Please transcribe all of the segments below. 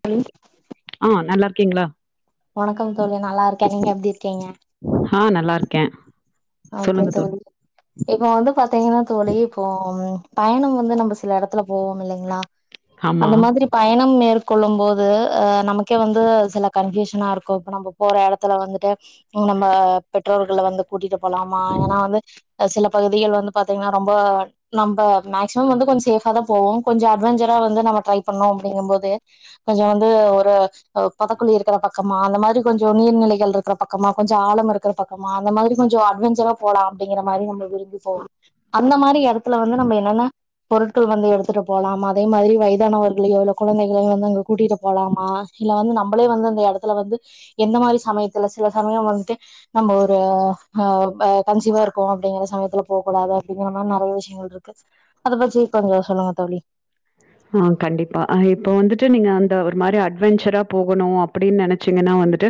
சொஹ ஆ நல்லார்க்கீங்ளா வணக்கம் தோழி நல்லார்க்கே நீங்க எப்டி இர்க்கீங்க ஹ நல்லார்க்கே ஓகே தோழி இப்போ வந்து பாத்தீங்னா தோழி இப்போ பயணம் வந்து நம்ப சில இடத்துல போவோம் இல்லைங்ளா ஆமா. அந்த மாதிரி பய ணம் மேற்கொள்ளும் போது அ நமக்கே வந்து சில கன்பியூஷனா இருக்கு இப்ப நம்ப போற இடத்துல வந்துட்டு இப்பவு நம்ப பெற்றோர்கள வந்து கூட்டிட்டு போலாமா ஏனா வந்து அ சில பகுதிகள் வந்து பாத்தீங்னா ரொம்ப நம்ப மேக்சிமம் வந்து கொஞ்ச சேஃபா தா போவோ கொஞ்ச அட்வெஞ்சரா வந்து நம்ம ட்ரை பண்ணோ அப்டிங்கும் போது கொஞ்ச வந்து ஒரு அ பொதக்குழி இருக்கிற பக்கமா அந்த மாரி கொஞ்ச நீர்நிலைகள் இருக்கிற பக்கமா கொஞ்ச ஆழம் இருக்கிற பக்கமா அந்த மாரி கொஞ்சோ அட்வெஞ்சரா போலா அப்டிங்கிற மாரி நம்புளும் விரும்பி போவ அந்த மாரி இடத்துல வந்து நம்ம என்னன்ன பொருட்கள் வந்து எடுத்துட்டு போலாமா அதே மாதிரி வயதானவர்களியு இல்ல குழந்தைகளையு வந்து அங்க கூட்டிட்டு போலாமா இல்ல வந்து நம்மளே வந்து அந்த இடத்துல வந்து எந்த மாதிரி சமயத்துல சில சமயம் வந்துட்டு நம்ம ஒரு ஆ கன்சீவா இருக்கோ அப்டிங்கிற சமயத்துல போக கூடாது அப்படிங்கிற மாதிரி நிறைய விஷயங்கள் இருக்கு அதை பத்தி கொஞ்சம் சொல்லுங்க தோழி ஆ கண்டிப்பா இப்போ வந்துட்டு நீங்க அந்த ஒரு மாதிரி அட்வென்சரா போகணும் அப்படின்னு நினைச்சீங்கன்னா வந்துட்டு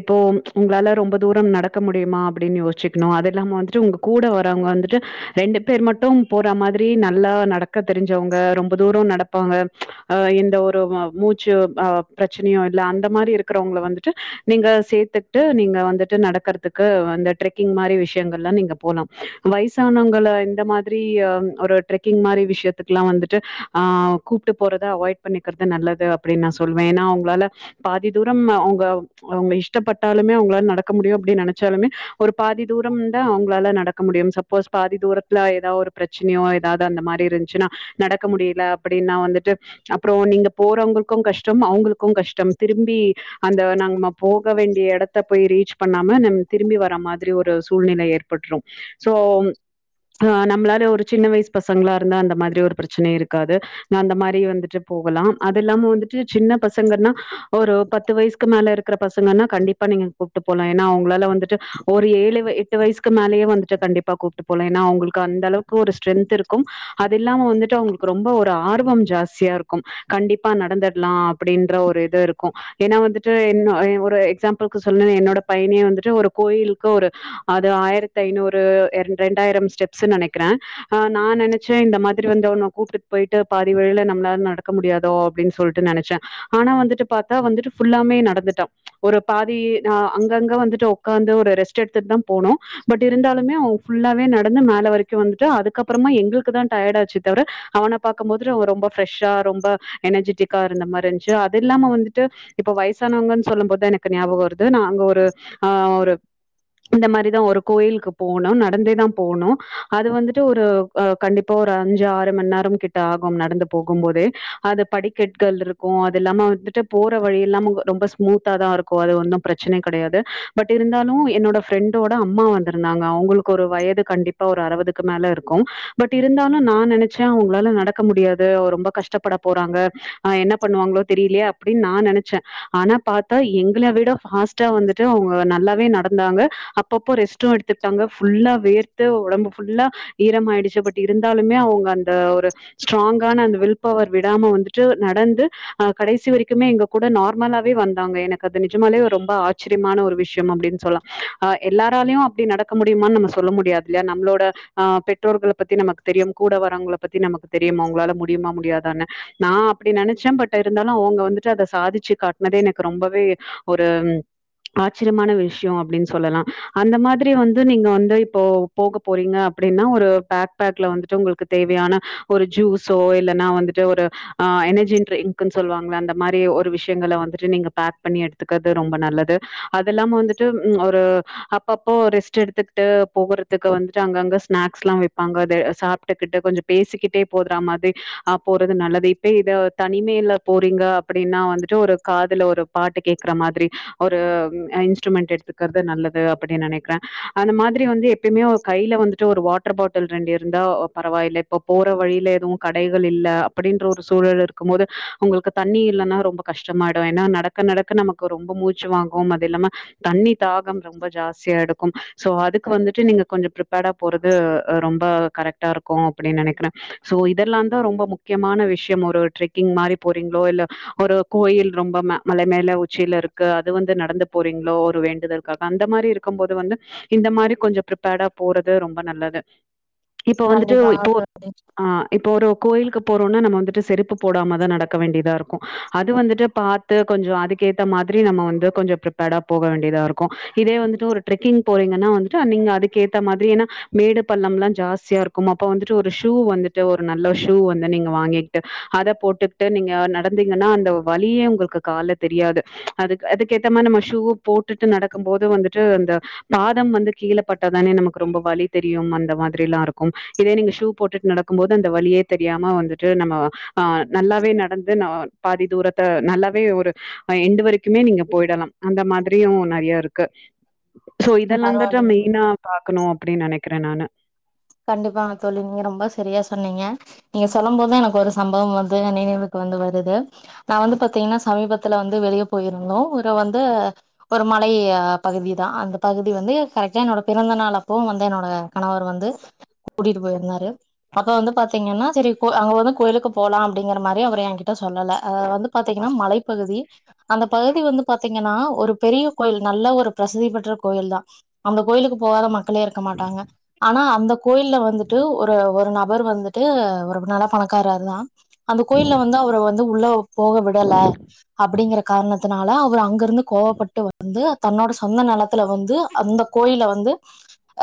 இப்போ உங்களால ரொம்ப தூரம் நடக்க முடியுமா அப்படின்னு யோச்சிக்கணும் அது இல்லாம வந்துட்டு உங்க கூட வர்வங்க வந்துட்டு ரெண்டு பேர் மட்டும் போற மாதிரி நல்லா நடக்க தெரிஞ்சவங்க ரொம்ப தூரம் நடப்பாங்க அ எந்த ஒரு மூச்சு அ பிரச்சனையும் இல்ல அந்த மாறி இருக்கிறவங்கள வந்துட்டு நீங்க சேத்து ட்டு நீங்க வந்துட்டு நடக்கறதுக்கு அந்த ட்ரெக்கிங் மாறி விஷயங்கள்ல்லாம் நீங்க போலாம் வயசானவங்கள இந்த மாதிரி ஒரு ட்ரெக்கிங் மாறி விஷயத்துக்குல்லாம் வந்துட்டு ஆ கூப்பிட்டு போறத அவாய்ட் பண்ணிக்கிறது நல்லது அப்படின்னு நா சொல்லுவேன் ஏன்னா அவங்களால பாதி தூரம் அவுங்க அவங்க இஷ்டப்பட்டாலுமே அவங்களால நடக்க முடியும் அப்டின்னு நினைச்சாலுமே ஒரு பாதி தூரம்தான் அவங்களால நடக்க முடியும் ச சப்போஸ் பாதி தூரத்துல ஏதாவது ஒரு பிரச்சனையோ ஏதாவது அந்த மாறி இருந்துச்சுன்னா நடக்க முடி அப்படின்னா வந்துட்டு அப்புறம் நீங்க போறவங்களுக்கும் கஷ்டம் அவங்களுக்கும் கஷ்டம் திரும்பி அந்த நம்ம போக வேண்டிய இடத்த போய் ரீச் பண்ணாம நம்ம திரும்பி வர மாதிரி ஒரு சூழ்நிலை ஏற்ப பட்டுறும் சோ ஆ நம்மளால ஒரு சின்ன வயசு பசங்களா இருந்தா அந்த மாதிரி ஒரு பிரச்சனய இருக்காது அந்த மாறி வந்துட்டு போகலாம் அது இல்லாம வந்துட்டு சின்ன பசங்கன்னா ஒரு பத்து வயசுக்கு மேல இருக் இருக்க பசங்கன்னா கண்டிப்பா நீங்க கூப்பிட்டு போலாம் ஏன்னா அவங்களால வந்துட்டு ஒரு ஏழு எட்டு வயசுக்கு மேலயே வந்துட்டு கண்டிப்பா கூப்பிட்டு போகலாம் ஏன்னா அவங்களுக்கு அந்த அளவுக்கு ஒரு ஸ்ட்ரென்த் இருக்கும் அது இல்லாம வந்துட்டு அவங்களுக்கு ரொம்ப ஒரு ஆர்வம் ஜாஸ்தியா இருக்கும் கண்டிப்பா நடந்தட்லாம் அப்படின்ற ஒரு இது இருக்கும் ஏன்னா வந்துட்டு என்ன ஒரு எக்ஸாம்பிளுக்கு சொல்லுனு என்னோட பையனயே வந்துட்டு ஒரு கோயிலுக்கு ஒரு அது ஆயிரத்தி ஐநூறு ரெண்டாயிரம் ஸ்டெப்ஸ்ன்னு நெனைக்கிறேன் ஆ நா நெனைச்சேன் இந்த மாதிரி வந்த உ கூப்ட்டு போயிட்டு பாதி வழில நம்மளால நடக்க முடியாதோ அப்படின்னு சொல்லிட்டு நெனைச்சேன் ஆனா வந்துட்டு பாத்தா வந்துட்டு ஃபுல்லாமே நடந்துட்டோ ஒரு பாதி நா அங்கங்க வந்துட்டு ஒக்காந்து ஒரு ரெஸ்ட் எடுத்துட்டு தா போனோம் பட் இருந்தாலுமே அவங்க ஃபுல்லாவே நடந்து மேல வரைக்கும் வந்துட்டு அதுக்கப்புறமா எங்களுக்கு தான் டயர்டா ஆச்சு தவற அவன பாக்கம்போது ரொம்ப ஃப்ரெஷ்ஷா ரொம்ப எனர்ஜெிட்டிக்கா இருந்த மாறி இருந்துச்சு அது இல்லாம வந்துட்டு இப்ப வயசானவங்கன்னு சொல்லும் போதுதான் எனக்கு ஞாபகம் வருது நாங்க ஒரு ஆ ஒரு இந்த மாறிதா ஒரு கோயிலுக்கு போனோ நடந்தே தான் போனோ அது வந்துட்டு ஒரு கண்டிப்பா ஒரு அஞ்சு ஆறு மணி நேரம் கிட்ட ஆகும் நடந்து போகும் போதே அது படிக்கெட்கள் இரு இருக்கும் அது இல்லாம வந்துட்டு போற வழி எல்லா ரொம்ப ஸ்மூத்தா தா இருக்கும் அது ஒன்னும் பிரச்சன கெடையாது பட் இருந்தாலும் என்னோட ஃப்ரெண்டோட அம்மா வந்திருந்தாங்க அவங்களுக்கு ஒரு வயது கண்டிப்பா ஒரு அறுபதுக்கு மேல இருக்கும் பட் இருந்தாலும் நான் நெனைச்ச அவங்களால நடக்க முடியாது ரொம்ப கஷ்டப்பட போறாங்க அ என்ன பண்ணுவாங்களோ தெரியலையே அப்படின்னு நா நெனைச்சே ஆனா பாத்தா எங்களை விட ஃபாஸ்ட்டா வந்துட்டு அவங்க நல்லாவே நடந்தாங்க அப்பப்போ ரெஸ்ட்டும் எடுத்துக்கிட்டாங்க ஃபுல்லா வேர்த்து உடம்பு ஃபுல்லா ஈரம் ஆயிடுச்சு பட் இருந்தாலுமே அவங்க அந் அ ஒரு ஸ்ட்ராங்கான அந்த வில் பவர் விடாம வந்துட்டு நடந்து அ கடைசி வரைக்குமே எங்க கூட நார்மலாவே வந்தாங்க எனக்கு அது நிஜமாலே ரொம்ப ஆச்சரியமான ஒரு விஷயம் அப்படின்னு சொல்லா ஆ எல்லாராலயையும் அப்படி நடக்க முடியுமான்னு நம்ம சொல்ல முடியாது இல்லையா நம்ளோட ஆ பெற்றோர்கள் பத்தி நமக்கு தெரிமா கூட வரவங்கள பத்தி நமக்கு தெரியுமோ உங்களால முடியுமா முடியாதான்னு நா அப்டி நெனைச்சே பட் இருந்தாலு அவங்க வந்துட்டு அத சாதிச்சி காட்டுனதே எனக்கு ரொம்பவே ஒரு ஆச்சரியமான விஷயோ அப்டின்னு சொல்லலா அந்த மாதிரி வந்து நீங்க வந்து இப்போ போக போறீங்க அப்டின்னா ஒரு பேக் பேக்ல வந்துட்டு உங்களுக்கு தேவ் ஆனா ஒரு ஜூஸோ இல்லன்னா வந்துட்டு ஒரு ஆ எனர்ஜி ட்ரிங்க்ன்னு சொல்லுவாங்கள அந்தப் மாரி ஒரு விஷயங்கள வந்துட்டு நீங்க பேக் பண்ணி எடுத்துக்கறது ரொம்ப நல்லது அது இல்லாம வந்துட்டு ம் ஒரு அப்பப்போ ரெஸ்ட் எடுத்துக்கிட்டு போகறதுக்கு வந்துட்டு அங்கங்க ஸ்நாக்ஸ்சில்லா விப்பாங்க தே சாப்பிட்டுக்கிட்டு கொஞ்சோ பேசிக்கிட்டே போதுறா மாதிரி ஆப் போறது நல்லதேப் ப இத தனிமேல போறீங்க அப்டின்னா வந்துட்டு ஒரு காதுல ஒரு பாட்டு கேக்கற மாதிரி ஒரு என்ஸ்ட்ருமெண்ட் எடுத்துக்கறது நல்லது அப்டி நெனைக்கிற அந்த மாதிரி வந்து எப்பயமே ஒரு கைல வந்துட்டு ஒரு வாட்டர் பாட்டில் ரெண்டு இருந்தா பரவாயில்லப் இப்ப போற வழியில எதுவு கடைகள் இல் அப்டின்ற ஒரு சூழல் இருக்குபோது உங்களுக்கு தண்ணி இல்லன்னா ரொம்போ கஷ்டமாயிடு ஏனா நடக்க நடக்க நமக்கு ரொம்ப மூச்சி வாங்கு அது இல்லாம தண்ணி தாகம் ரொம்ப ஜாஸ்தியா எடுக்கும் சோ அதுக்கு வந்துட்டு நீங்க கொஞ்சோ ப்ரிப்பேர்டா போறது ரொம்ப கரெக்ட்டா இருக்கு அப்டின்னு நெனைக்கிற சோ இதெல்லா தா ரொம்ப முக்கியமான விஷயம் ஒரு ட்ரெக்கிங் மாரி போறீங்களோ இல்ல ஒரு கோயில் ரொம்ப மல மேல உச்சியில இருக்கு அது வந்து நடந்து போறீங்ளோ ஒரு வேண்டுதல் அந்த மாரி இருக்கும் போது வந்து இந்த மாரி கொஞ்சோ ப்ரிப்பேர்டா போறது ரொம்ப நல்லது இப்ப வந்துட்டு கண்டிப்பா இப்போ தோழி ஆ இப்ப ஒரு கோயிலுக்கு போறோனா நம்ம வந்துட்டு செருப்பு போடாமதா நடக்க வேண்டியதா இருக்கு அது வந்துட்டு பாத் து கொஞ்சோ அதுக்கேத்த மாதிரி நம்ம வந்து கொஞ்சோ ப்ரிப்பேர்டா போக வேண்டியதா இருக்கு இதே வந்துட்டு ஒரு ட்ரெக்கிங் போறீங்கனா வந்துட்டு நீங்க அதுக்கு ஏத்த மாதிரி ஏனா மேடு பள்ளம்லா ஜாஸ்தியா இருக்கும் அப்ப வந்து ஒரு ஷூ வந்துட்டு ஒரு நல்ல ஷூ வந்து நீங்க வாங்கிக்கிட்டு அத போட்டுக்கிட்டு நீங்க நடந்தீங்னா அந்தோ வலியே உங்களுக்கு கால்ல தெரியாது அதுக்கு அதுக்கு ஏத்த மா நம்ம ஷூ போட்டுட்டு நடக்கும் போது வந்துட்டு அந்த பாதம் வந்து கீழ பட்டாதானே நமக்கு ரொம்ப வலி தெரியு அந்த மாதிரி எல்லா இருக்கும் இதே நீங்க ஷூ போட்டுட்டு நடக்கும் போது அந்த வலியே தெரியாம வந்துட்டு நம்ம ஆ நல்லாவே நடந்து நா பாதி தூரத்த நல்லாவே ஒரு அ எண்டு வரைக்குமே நீங்க போயிடலாம் அந்த மாதிரியு நெறைய இருக்கு சோ இதெல்லாந்துட்டா பரவால்ல மெயினா பாக்கணு அப்டின்னு நெனைக்கிற நானு கண்டிப்பா தோழி நீங்க ரொம்ப சரியா சொன்னீங்க நீங்க சொல்ல போது எனக்கு ஒரு சம்பவம் வந்து நினைவுக்கு வந்து வருது நா வந்து பாத்தீங்னா சமீபத்துல வந்து வெளியே போயிருந்தோ ஒரு வந்து ஒரு மலை பகுதிதா அந்த பகுதி வந்து கரெக்டா என்னோட பிறந்தநாள் அப்போவு வந்து என்னோட கணவர் வந்து கூட்டிட்டு போயிருந்தாரு பத்த வந்து பாத்தீங்கனா செரி கோ அங்க வந்து கோயிலுக்கு போலா அப்டிங்கிற மாரி அவர் ஏ கிட்ட சொல்லல வந்துப் பாத்தீங்கன்னா மலைப்பகுதி அந்த பகுதி வந்து பாத்தீங்கன்னா ஒரு பெரிய கோயில் நல்ல ஒரு பிரசித்தி பெற்ற கோயில தா அந்த கோயிலுக்கு போகாத மக்களே இருக்க மாட்டாங்க ஆனா அந்த கோயில வந்துட்டு ஒரு ஒரு நபர் வந்துட்டு ஒரு நல்லா பணக்காரரு தா அந்த கோயில்ல வந்து அவர வந்து உள்ளோவு போக விடல அப்டிங்கற காரணத்துனால அவரு அங்கிருந்து கோவப்பட்டு வந்து தன்னோட சொந்த நெலத்துல வந்து அந்த கோயில வந்து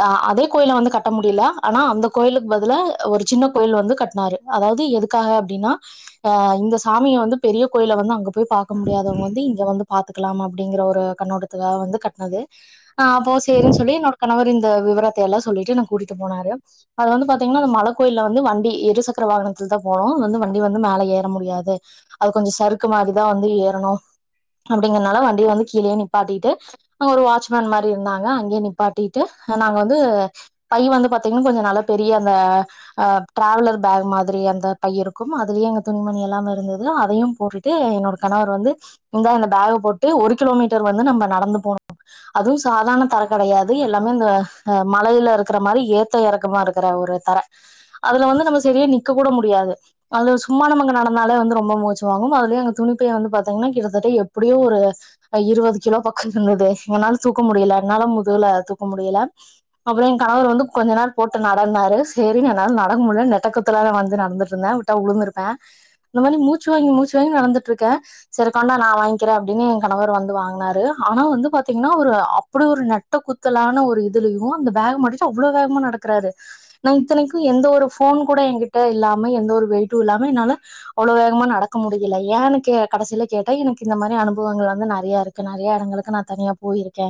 அ அதே கோயில வந்து கட்ட முடியல ஆனா அந்த கோயிலுக்கு பதிலா ஒரு சின்ன கோயில் வந்து கட்டினாரு அதாவது எதுக்காக அப்டினா அ இந்த சாமிய வந்து பெரிய கோயில வந்து அங்க போய் பாக்க முடியாதவங்க வந்து இங்க வந்து பாத்துக்கிலாமா அப்டிங்கற ஒரு கண்ணோ டத்துல வந்து கட்டினது ஆ அப்போ செரினு சொல்லி என்னோட கணவர் இந்த விவரத்த எல்லா சொல்லிட்டு என்ன கூட்டிட்டுப் மூணாறு அது வந்து பாத்தீங்கனா அது மலக் கோயிலல் வந்து வண்டி இருசக்கர வாகனத்துல தா போனோ அது வந்து வண்டி வந்து மேல ஏற முடியாது அது கொஞ்ச சறுக்கு மாரிதா வந்து ஏறணு அப்டிங்கறனால வண்டிய வந்து கீழே நிப்பாட்டிட்டு அங்க ஒரு வாட்ச்மேன் மாரி இருந்தாங்க அங்கே நிப்பாட்டிட்டு அ நாங்க வந்து பை வந்து பாத்தீங்கன்னா கொஞ்ச நல்லா பெரிய அந்த அ டிராவலர் பேக் மாதிரி அந்த பை‌இருக்கும் அதுலேயே எங்க துணிமணி எல்லாமே இருந்துதுல அதையும் போட்டுட்டு என்னோட கணவர் வந்து இந்தா இந்த பேக போட்டு ஒரு கிலோமீட்டர் வந்து நம்ம நடந்து போனோ அதுவு சாதாரண தர கெடையாது எல்லாமே இந்த அ மலையில இருக்கிற மாரி ஏத் த எறக்கமா இருக்கற ஒரு தர அதுல வந்து நம்ம செரியா நிக்க கூட முடியாது அவ்ளோ சும்மா நமங்க நடந்தாலே வந்து ரொம்ப மூச்சு வாங்கும் அதுலயு எங்க துணிப் பை வந்து பாத்தீங்கன்னா கிட்டத்தட்ட எப்டியோ ஒரு அ இருபது கிலோ பக்கம் இருந்துது என்னால தூக்க முடியல என்னால முதுகுல தூக்க முடியல அப்பறோ ஏ கணவர் வந்து கொஞ்ச நெர் போட்டு நடன்னாரு செரிங்க என்னால நடக்க முல்ல நெட்டக்குத்தலா தா வந்து நடந்துட்டு இருந்த வுட்டா உழுந்துருப்ப இந்த மாரி மூச்சு வாங்கி மூச்சு வாங்கி நடந்துட்ருக்க செரி கொண்டா நா வாங்கிறே அப்டின்னு ஏ கணவர் வந்து வாங்குனாரு ஆனா வந்து பாத்தீங்கனா ஒரு ஆ ப்டி ஒரு நெட்ட குத்தலான ஒரு இதுலியு அந்த பேக் மாட்டிட்டு அவ்வளோ வேகமா நடக்கறாரு நா இத்தனைக்கு எந்த ஒரு ஃபோன் கூட ஏங்கிட்ட இல்லாம எந்த ஒரு வெயிட்டு இல்லாம என்னால அவ்ளோ வேகமா நடக்க முடியில ஏனு கே கடைசில கேட்டா எனக்கு இந்த மாரி அனுபவங்கள் வந்து நறியா இருக் கு நறிய எடங்களுக்கு நா தனியா போயிருக்கே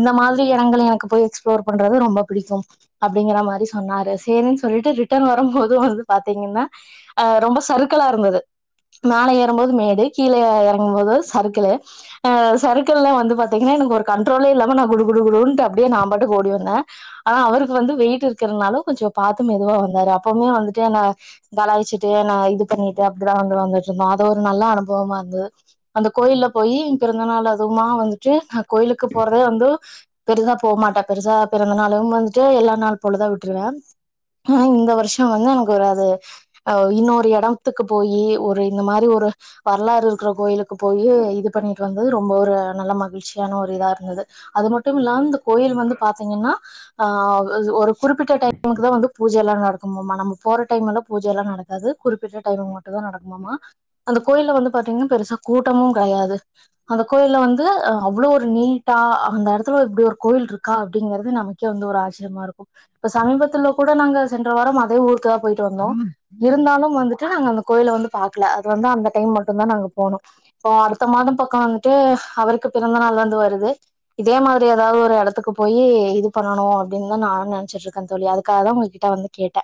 இந்த மாதிரி எடங்கள் எனக்கு போய் எக்ஸ்ஃபோர் பண்றது ரொம்ப பிடிக்கும் அப்டிங்கிறா மாரி சொன்னாரு சேரின் சொல்லிட்டு ரிட்டன் வரம்போது வந்து பாத்தீங்கன்னா அ ரொம்ப சறுக்களா இருந்துது மேல ஏறம்போது மேடு கீழ எறங்கும் போதோ சறுக்களு அ சறுக்கள்ல வந்து பாத்தீங்கன்னா எனக்கு ஒரு கண்ட்ரோலே இல்லாம நா குடு குடு குடுன்ட்டு அப்டியே நா பாட்டுக்கு ஓடி வந்த ஆனா அவருக்கு வந்து வெயிட் இருக்கறனாலு கொஞ்ச பாத்து மெதுவா வந்தாரு அப்பவுமே வந்துட்டு என்ன கலாய்ச்சுட்டு என்ன இது பண்ணிட்டு அப்டிதா வந்து வந்துட்ருந்தோ அது ஒரு நல்ல அனுபவமா இருந்துது அந்த கோயில்ல போயி ஏ பிறந்த நாள் அதுமா வந்துட்டு ஹ கோயிலுக்கு போறதே வந்து பெருசா போ மாட்ட பெருசா பிறந்த நாள் டைம் வந்துட்டு எல்லா நாள் போலதா விட்டுருவ ஆ இந்த வருஷோ வந்து எனக்கு ஒரு அது அ இன்னொரு எடந்த்துக்கு போயி ஒரு இந்த மாரி ஒரு வர்லாறு இருக்குற கோயிலுக்கு போயி இது பண்ணிட்டு வந்தது ரொம்போ ஒரு நல்ல மகிழ்ச்சியான ஒரு இதா இருந்துது அது மட்டும் இல்லாம் இந்த கோயில் வந்து பாத்தீங்கன்னா ஆ ஒசு ஒரு குறிப்பிட்ட டைமுக்கு தா வந்து பூஜ எல்லா நடக்குமாமா நம்ம போற டைமெல்லா பூஜை எல்லா நடக் காது குறிப்பிட்ட டைமுக்கு மட்டுந்தா நடக்குமாமா அந்த கோயில்ல வந்து பாத்தீங்கன்னா பெருசா கூட்டமு கடையாது அந்த கோயில்ல வந்து அ அவ்ளோ ஒரு நீட்டா அந்த எடத்துல இப்டி ஒரு கோவில் இருக்கா அப்டிங்கறது நமக் கே வந்து ஒரு ஆச்சிரியமா இருக்கூ இப்ப சமீபத்துல கூட நாங்க சென்ற வாரம் அதே ஊருக்கு தா போயிட்டு வந்தோ இருந்தாலும் வந்துட்டு நாங்க அந்த கோயில வந்து பாக்ல அது வந்து அந்த டைம் மட்டுந்தா நாங்க போனோ இப்ப அடுத்த மாதம் பக்க வந்துட்டு அவருக்கு பிறந்த நாள் வந்து வருது இதே மாரி எதாவ்து ஒரு எடத்துக்கு போயி இதுப் பண்ணணு அப்டின் தா நானு நெனச்சிட்ருக்கே தோழி அதுக்காகதா உங்ககிட்ட வந்து கேட்ட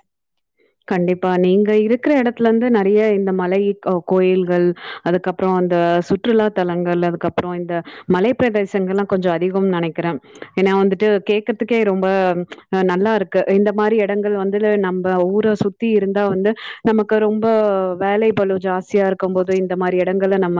கண்டிப்பா நீங்க இருக்ற எடத்துல இந்து நறிய இந்த மலைக் அ கோயில்கள் அதுக்கப்றோ அந்த சுற்றுலா தலங்கள் அதுக்கப்றோ இந்த மலைப்பெதேசங்களா கொஞ்சோ அதிகம் நெனைக்கிறே ஏனா வந்துட்டு கேக்கதுக்கே ரொம்ப அ நல்லா இருக்கு இந்த மாரி எடங்கள் வந்துல நம்ப ஊர சுத்தி இருந்தா வந்து நமக்கு ரொம்ப வேலை பலு ஜாஸ்தியா இருக்கம் போது இந்த மாரி எடங்கள நம்ம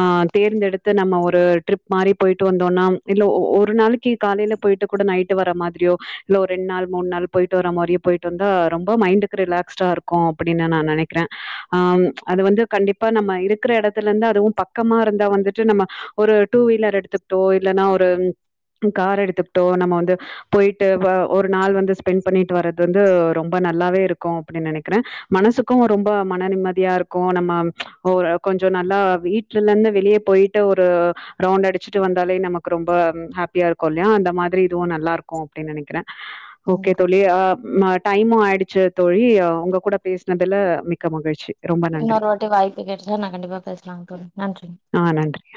ஆ தேர்ந்தெடுத்து நம்ம ஒரு ட்ரிப் மாரி போயிட்டு வந்தோனா இல்ல ஒ ஒரு நாளைக்கு காலையில போயிட்டு கூட நைட்டு வர மாதிரியோ இல்ல ஒரு ரெண் நாள் மூன்நாள் போயிட்டு வர மாரியே போயிட்டு வந்தா ரொம் போ மைண்டுக்கு ரிலாக்ஸ்டா இருக்கு அப்டின்னு நா நெனைக்கிறே அது வந்து கண்டிப் பா நம்ம இருக்கிற எடத்துல இந்து அதுவு பக்கமா இருந்தா வந்துட்டு நம்ம ஒரு டூவீலர் எடுத்துக்கிட்டோ இல்லனா ஒரு டு கார் எடுத்துக்கிட்டோ நம்ம வந்து போயிட்டு வா ஒரு நாள் வந்து ஸ்பெண்ட் பண்ணிட்டு வர்றது வந்து ரொம் ப நல்லாவே இருக்கு அப்டின் நெனைக்ற மனசுக்கு ரொம்ப மன நிம்மதியா இருக்கு நம்ம ஒரு கொஞ்ச நல்லா வீட் டுலந்து வெளிய போயிட்டு ஒரு ரவுண்டு அடிச்சுட்டு வந்தாலே நமக்கு ரொம்ப ஹாப்பியா இருக்கு இல்லியா அந்த மாதிரி இதுவு நல்லாருக்கு அப்டின் நெனைக்கிறே ஓகே கண்டிப்பா தோழி ஆ மட் டையிமு ஆயிடுச்சி தோழி உங்க கூட பேசனுதுல மிக்க மகிழ்ச்சி ரொம்ப நன்றி. இன்னொரு வாட்டி வாய்ப்பு கெடச்சா நா கண்டிப்பா பேசலாங் தோழி நன்றி ஆ நன்றி